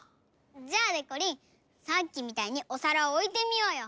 じゃあでこりんさっきみたいにおさらをおいてみようよ。